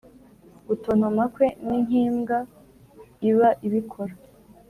gutontoma kwe n'inkimbwa iba ibikora